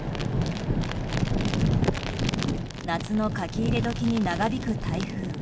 夏の書き入れ時に長引く台風。